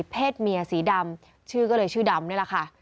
เพศเมียสีดำชื่อก็เลยชื่อดำนี่แหละค่ะ